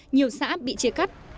nhiều xã bị chia cắt